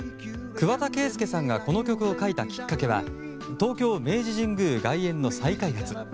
桑田佳祐さんがこの曲を書いたきっかけは東京・明治神宮外苑の再開発。